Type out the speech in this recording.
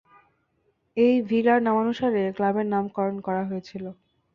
এই ভিলার নামানুসারেই ক্লাবের নামকরণ করা হয়েছিল।